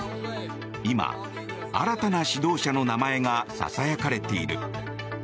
今、新たな指導者の名前がささやかれている。